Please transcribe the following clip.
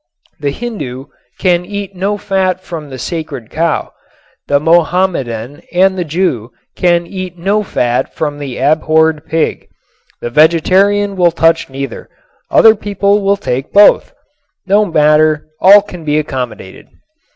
The Hindu can eat no fat from the sacred cow; the Mohammedan and the Jew can eat no fat from the abhorred pig; the vegetarian will touch neither; other people will take both. No matter, all can be accommodated.